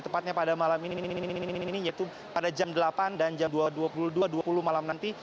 tepatnya pada malam ini yaitu pada jam delapan dan jam dua puluh dua dua puluh malam nanti